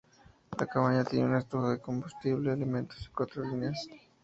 La cabaña tiene una estufa, combustible, alimentos y cuatro literas.